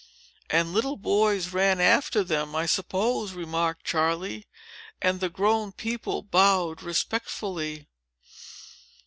"And little boys ran after them, I suppose," remarked Charley; "and the grown people bowed respectfully."